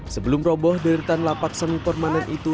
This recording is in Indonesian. sebelum roboh deretan lapak semi permanen itu